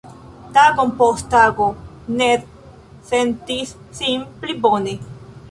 Tagon post tago, Ned sentis sin pli bone.